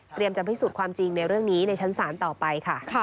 จะพิสูจน์ความจริงในเรื่องนี้ในชั้นศาลต่อไปค่ะ